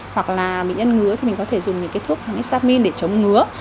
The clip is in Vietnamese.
hoặc là bệnh nhân ngứa thì mình có thể dùng những cái thuốc hóng xamil để chống ngứa